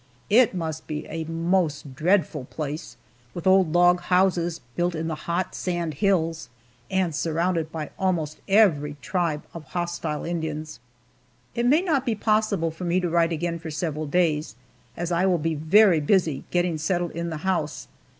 It must be a most dreadful place with old log houses built in the hot sand hills, and surrounded by almost every tribe of hostile Indians. It may not be possible for me to write again for several days, as I will be very busy getting settled in the house.